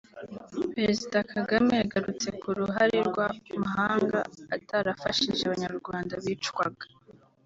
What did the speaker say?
Perezida Kagame yagarutse ku ruhare rw’amahanga atarafashije Abanyarwanda bicwaga